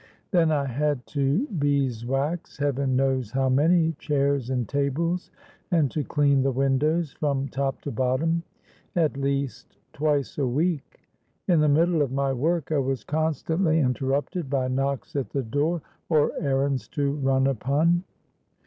Then I had to bees wax heaven knows how many chairs and tables, and to clean the windows from top to bottom at least twice a week. In the middle of my work I was constantly interrupted by knocks at the door, or errands to run upon.